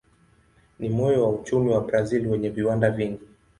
Ni moyo wa uchumi wa Brazil wenye viwanda vingi.